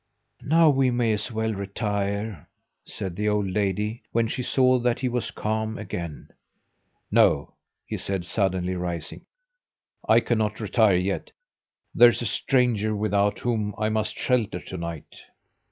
"Now we may as well retire," said the old lady when she saw that he was calm again. "No," he said, suddenly rising, "I cannot retire yet. There's a stranger without whom I must shelter to night!"